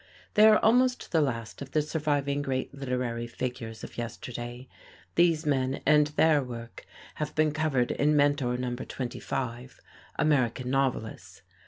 They are almost the last of the surviving great literary figures of yesterday. These men and their work have been covered in Mentor Number 25, "American Novelists."